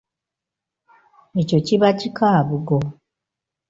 Ekyo kiba kikaabugo.